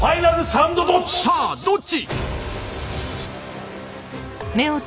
さあどっち？